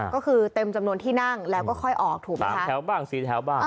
ก็คือเต็มจำนวนที่นั่งแล้วก็ค่อยออกถูกไหม๓แถวบ้าง๔แถวบ้าง